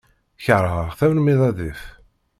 Keṛheɣ-t armi d adif.